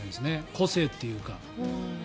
個性というか。